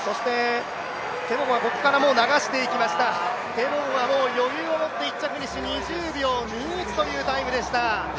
テボゴが余裕を持って１着フィニッシュ、２０秒２１というタイムでした。